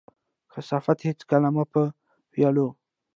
کثافات هيڅکله مه په ويالو،